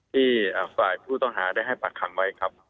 ที่ฝ่ายผู้ต้องหาได้ให้ปากคำไว้ครับ